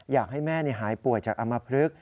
อยากให้แม่หายป่วยจากอมพลึก